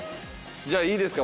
じゃあいいですか？